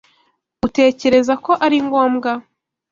Utekereza ko ari ngombwa?